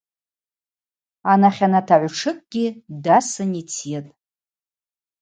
Анахьанат агӏвтшыкӏгьи дасын йтйытӏ.